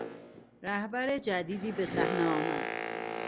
رهبر جدیدی به صحنه آمد.